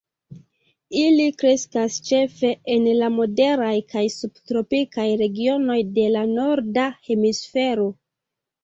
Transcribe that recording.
Ili kreskas ĉefe en la moderaj kaj subtropikaj regionoj de la norda hemisfero.